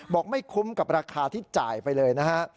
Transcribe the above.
ไม่คุ้มกับราคาที่จ่ายไปเลยนะฮะ